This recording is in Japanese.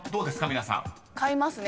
皆さん］買いますね。